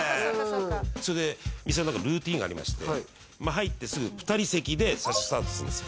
それで店の中ルーティーンがありまして入ってすぐ２人席で最初スタートするんです